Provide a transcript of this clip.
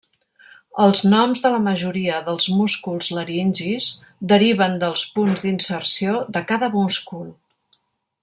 Els noms de la majoria dels músculs laringis deriven dels punts d'inserció de cada múscul.